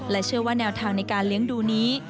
เชื่อว่าแนวทางในการเลี้ยงดูนี้